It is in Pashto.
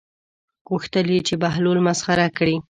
غوښتل یې چې بهلول مسخره کړي.